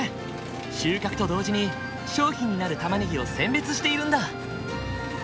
収穫と同時に商品になるたまねぎを選別しているんだ。